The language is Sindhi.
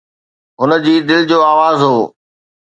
هن جي دل جو آواز هو.